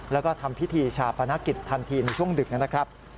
แล้วก็ทำพิธีชาปนกิจทันทีในช่วงดึกนะครับ